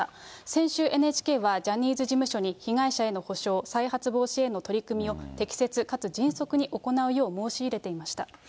先週、ＮＨＫはジャニーズ事務所に、被害者への補償、再発防止への取り組みを適切かつ迅速に行うよう申し入れていまし